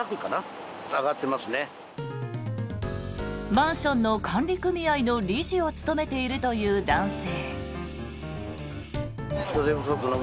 マンションの管理組合の理事を務めているという男性。